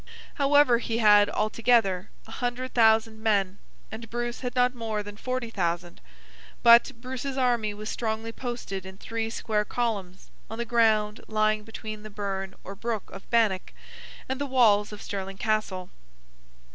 However, he had, altogether, a hundred thousand men, and Bruce had not more than forty thousand; but, Bruce's army was strongly posted in three square columns, on the ground lying between the Burn or Brook of Bannock and the walls of Stirling Castle.